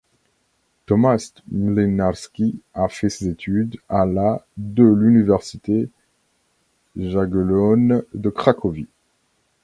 Tomasz Młynarski a fait ses études à la de l'université Jagellonne de Cracovie.